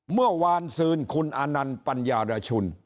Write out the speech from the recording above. เมื่อวานซืนคุณอะนับัญญาณชุน